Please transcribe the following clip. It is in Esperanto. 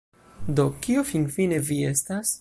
Do, kio finfine vi estas?